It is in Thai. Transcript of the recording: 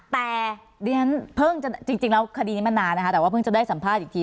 แต่ดิฉันเพิ่งจะจริงแล้วคดีนี้มานานนะคะแต่ว่าเพิ่งจะได้สัมภาษณ์อีกที